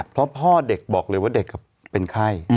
เพราะพ่อเด็กบอกเลยว่าเด็กเป็นไข้